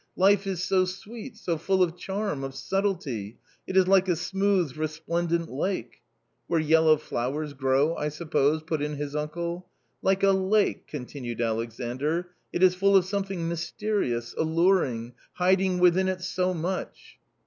Life is so sweet, so full of charm, of subtlety, it is like a smooth, resplendent lake." " Where yellow flowers grow, I suppose ! M put in his uncle. "Like a lake," continued Alexandr, "it is full of some thing mysterious, alluring, hiding within it so much."